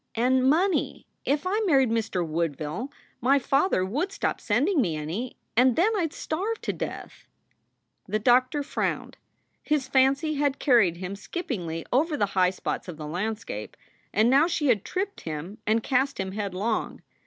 And money if I married Mr. Woodville, my father would stop sending me any, and then I d starve to death " The doctor frowned. His fancy had carried him skip pingly over the high spots of the landscape, and now she had tripped him and cast him headlong.